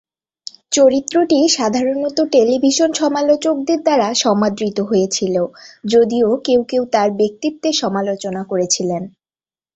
চরিত্রটি সাধারণত টেলিভিশন সমালোচকদের দ্বারা সমাদৃত হয়েছিল, যদিও কেউ কেউ তাঁর ব্যক্তিত্বের সমালোচনা করেছিলেন।